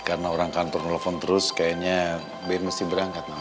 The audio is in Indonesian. karena orang kantor telepon terus kayaknya be mesti berangkat mama